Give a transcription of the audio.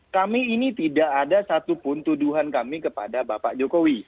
kami ini tidak ada satupun tuduhan kami kepada bapak jokowi